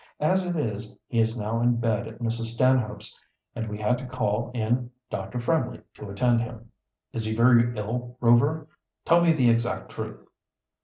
As it is, he is now in bed at Mrs. Stanhope's, and we had to call in Dr. Fremley to attend him." "Is he very ill, Rover? Tell me the exact truth."